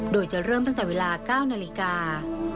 โดยจะเริ่มตั้งแต่เวลา๙นาฬิกา